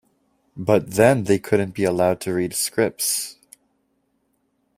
But then they couldn't be allowed to read scripts.